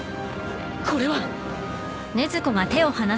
これは